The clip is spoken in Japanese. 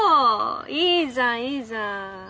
いいじゃんいいじゃん。